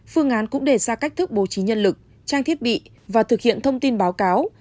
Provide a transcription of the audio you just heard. phương án cũng đề ra cách thức bố trí nhân lực trang thiết bị và thực hiện thông tin báo cáo